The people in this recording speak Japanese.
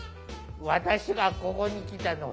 私がここに来たの。